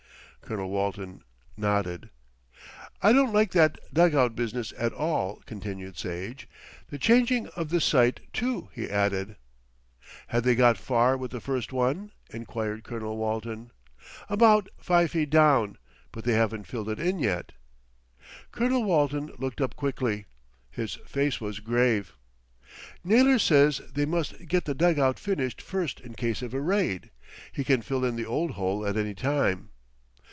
Colonel Walton nodded. "I don't like that dug out business at all," continued Sage. "The changing of the site too," he added. "Had they got far with the first one?" enquired Colonel Walton "About five feet down; but they haven't filled it in yet." Colonel Walton looked up quickly. His face was grave. "Naylor says they must get the dug out finished first in case of a raid. He can fill in the old hole at any time."